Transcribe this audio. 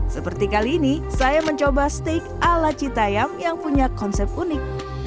seperti kali ini saya mencoba steak ala citayam yang punya konsep unik